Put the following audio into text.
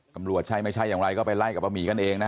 ตำรวจใช่ไม่ใช่อย่างไรก็ไปไล่กับป้าหมีกันเองนะฮะ